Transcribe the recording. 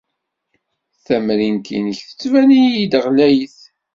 Tamrint-nnek tettban-iyi-d ɣlayet.